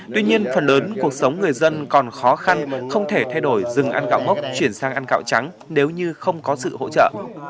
tuy nhiên phần lớn cuộc sống người dân còn khó khăn không thể thay đổi dừng ăn gạo mốc chuyển sang ăn gạo trắng nếu như không có sự hỗ trợ